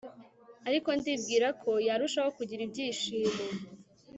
ariko ndibwira ko yarushaho kugira ibyishimo